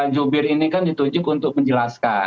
jubir ini kan ditujuk untuk menjelaskan